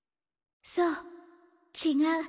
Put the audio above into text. そう違う。